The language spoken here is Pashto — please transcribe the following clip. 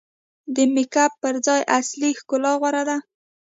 د میک اپ پر ځای اصلي ښکلا غوره ده.